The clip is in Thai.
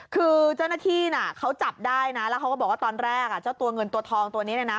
คือเจ้าหน้าที่น่ะเขาจับได้นะแล้วเขาก็บอกว่าตอนแรกอ่ะเจ้าตัวเงินตัวทองตัวนี้เนี่ยนะ